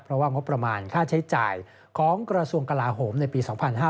เพราะว่างบประมาณค่าใช้จ่ายของกระทรวงกลาโหมในปี๒๕๕๙